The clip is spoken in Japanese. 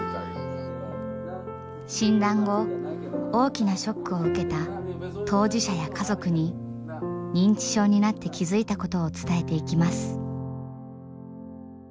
診断後大きなショックを受けた当事者や家族に認知症になって気付いたことを伝えていきます。